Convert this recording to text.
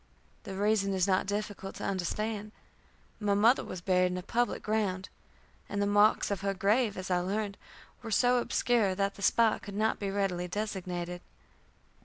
The reason is not difficult to understand. My mother was buried in a public ground, and the marks of her grave, as I learned, were so obscure that the spot could not be readily designated.